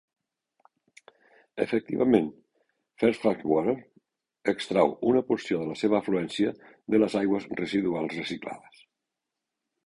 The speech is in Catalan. Efectivament, Fairfax Water extrau una porció de la seva afluència de les aigües residuals reciclades.